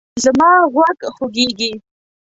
زما غوږ خوږیږي